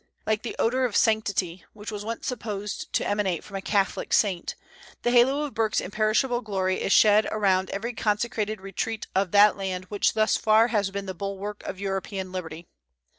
Like the odor of sanctity, which was once supposed to emanate from a Catholic saint, the halo of Burke's imperishable glory is shed around every consecrated retreat of that land which thus far has been the bulwark of European liberty.